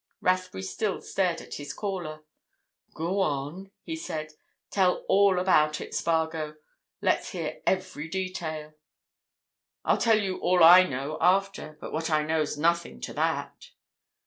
Rathbury still stared at his caller. "Go on!" he said. "Tell all about it, Spargo. Let's hear every detail. I'll tell you all I know after. But what I know's nothing to that."